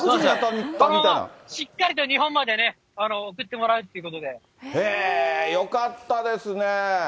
しっかりと日本まで送ってもへぇ、よかったですね。